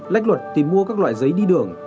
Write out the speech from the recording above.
lách luật tìm mua các loại giấy đi đường